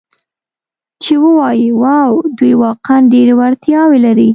چې ووایي: 'واو، دوی واقعاً ډېرې وړتیاوې لري.